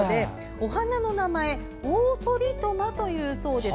お花の名前はオオトリトマというそうです。